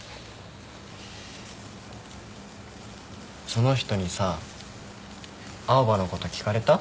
その人にさ青羽のこと聞かれた？